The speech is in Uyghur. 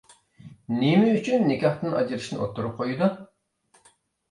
نېمە ئۈچۈن نىكاھتىن ئاجرىشىشنى ئوتتۇرىغا قويىدۇ؟